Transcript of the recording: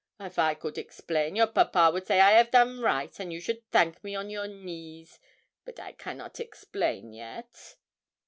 If I could explain, your papa would say I 'av done right, and you should thank me on your knees; but I cannot explain yet.'